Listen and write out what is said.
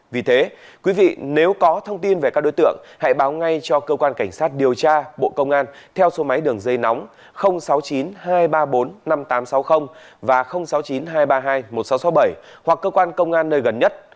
vì thế quý vị nếu có thông tin về các đối tượng hãy báo ngay cho cơ quan cảnh sát điều tra bộ công an theo số máy đường dây nóng sáu mươi chín hai trăm ba mươi bốn năm nghìn tám trăm sáu mươi và sáu mươi chín hai trăm ba mươi hai một nghìn sáu trăm sáu mươi bảy hoặc cơ quan công an nơi gần nhất